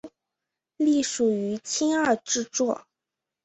隶属于青二制作。